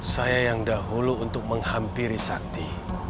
saya yang dahulu untuk menghampiri sakti